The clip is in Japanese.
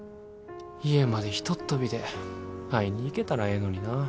家までひとっ飛びで会いに行けたらええのにな。